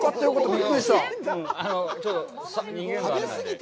びっくりした。